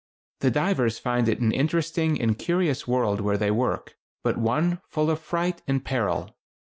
The divers find it an interesting and curious world where they work, but one full of fright and peril.